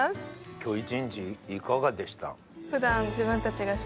今日一日いかがでした？